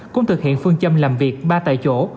cũng thực hiện phương châm làm việc ba tại chỗ